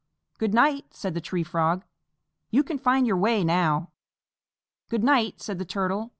"Good night!" said the Tree Frog. "You can find your way now." "Good night!" said the Turtle.